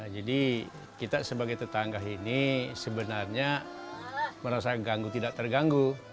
jadi kita sebagai tetangga ini sebenarnya merasa ganggu tidak terganggu